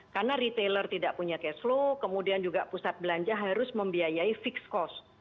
karena retailer tidak punya cash flow kemudian juga pusat belanja harus membiayai fixed cost